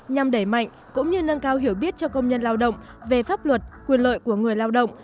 nhằm đẩy mạnh cũng như nâng cao hiểu biết cho công nhân lao động về pháp luật quyền lợi của người lao động